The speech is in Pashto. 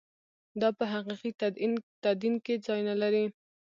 دا په حقیقي تدین کې ځای نه لري.